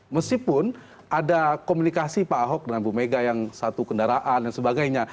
meskipun ada komunikasi pak ahok dengan bu mega yang satu kendaraan dan sebagainya